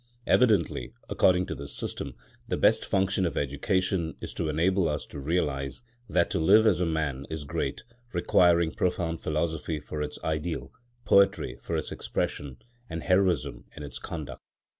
Evidently, according to this system, the best function of education is to enable us to realise that to live as a man is great, requiring profound philosophy for its ideal, poetry for its expression, and heroism in its conduct.